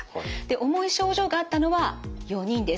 重い症状があったのは４人です。